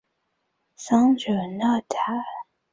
香港艺术发展局亦有定期资助多个文学出版和推广计划。